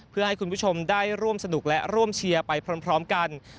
เพื่อให้คุณผู้ชมได้ร่วมสนุกและร่วมเชียร์ไปพร้อมกัน